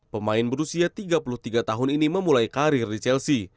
pemain berusia tiga puluh tiga tahun ini memulai karir di chelsea